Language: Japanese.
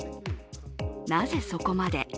なぜそこまで。